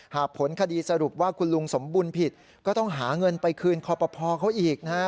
ผลคดีสรุปว่าคุณลุงสมบุญผิดก็ต้องหาเงินไปคืนคอปภเขาอีกนะฮะ